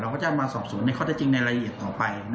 เราก็จะมาสอบสวนในข้อได้จริงในละเอียดต่อไป